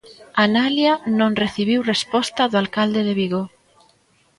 Analia non recibiu resposta do Alcalde de Vigo.